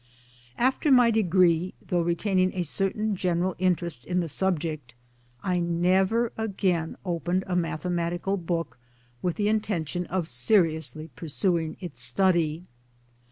After my degree, though retaining a certain general interest in the subject, I never again opened a mathe matical book with the intention of seriously pur suing its study.